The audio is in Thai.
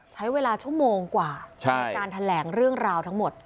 ใช้เวลาชั่วโมงกว่าในการแถลงเรื่องราวทั้งหมด